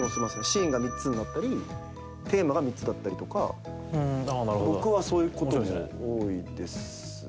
シーンが３つになったりテーマが３つだったりとか僕はそういうことも多いですね。